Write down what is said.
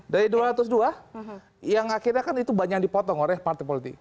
dari dua ratus dua yang akhirnya kan itu banyak dipotong oleh partai politik